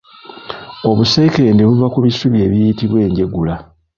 Obusekende buva ku bisubi ebiyitibwa Enjegula.